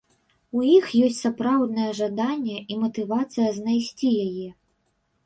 У іх ёсць сапраўднае жаданне і матывацыя знайсці яе.